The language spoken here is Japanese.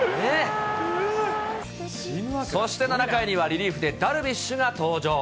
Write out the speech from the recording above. そして７回には、リリーフでダルビッシュが登場。